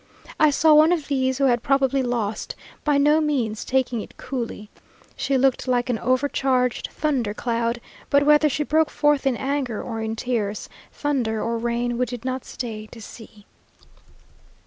I saw one of these, who had probably lost, by no means "taking it coolly." She looked like an overcharged thunder cloud; but whether she broke forth in anger or in tears, thunder or rain, we did not stay to see.